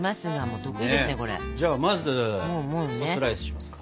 じゃあまずスライスしますか。